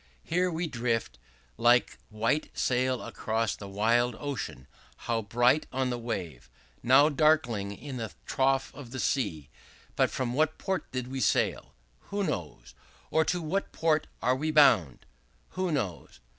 Here we drift, like white sail across the wild ocean, now bright on the wave, now darkling in the trough of the sea; but from what port did we sail? Who knows? Or to what port are we bound? Who knows?